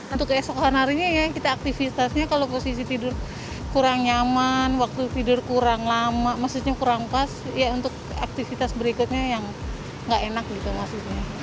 untuk keesokan harinya ya kita aktivitasnya kalau posisi tidur kurang nyaman waktu tidur kurang lama maksudnya kurang pas ya untuk aktivitas berikutnya yang nggak enak gitu maksudnya